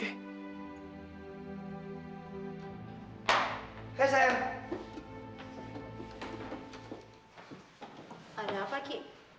ada apa ki